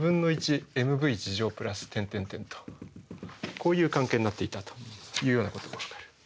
こういう関係になっていたというようなことがわかる。